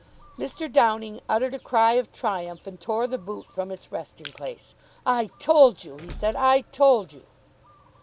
Mr. Downing uttered a cry of triumph, and tore the boot from its resting place. "I told you," he said. "I told you."